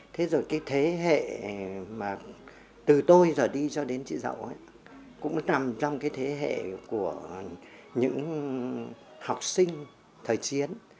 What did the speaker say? thế rồi cái thế hệ mà từ tôi giờ đi cho đến chị dậu ấy cũng nằm trong cái thế hệ của những học sinh thời chiến